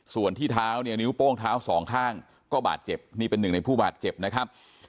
ส่วนที่เท้าเนี่ยนิ้วโป้งเท้าสองข้างก็บาดเจ็บนี่เป็นหนึ่งในผู้บาดเจ็บนะครับ